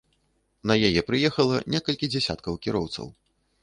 На яе прыехала некалькі дзясяткаў кіроўцаў.